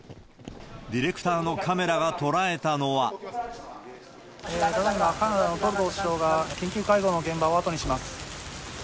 ディレクターのカメラが捉えたのただいま、カナダのトルドー首相が緊急会合の現場を後にします。